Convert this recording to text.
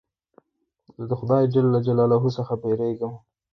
زه د خدای جل جلاله څخه بېرېږم.